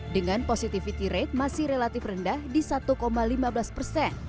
dengan positivity rate masih relatif rendah di satu lima belas persen